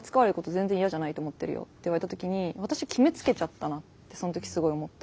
全然嫌じゃないと思ってるよ」って言われた時に私決めつけちゃったなってその時すごい思ったり。